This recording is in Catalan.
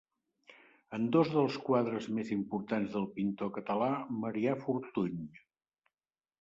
En dos dels quadres més importants del pintor català Marià Fortuny.